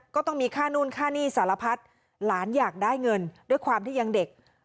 ก็ต้องมีค่านู่นค่าหนี้สารพัดหลานอยากได้เงินด้วยความที่ยังเด็ก